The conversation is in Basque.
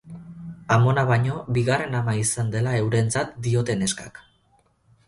Amona baino, bigarren ama izan dela eurentzat diote neskak.